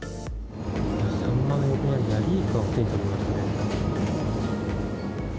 サンマの横にあるヤリイカを手に取りましたね。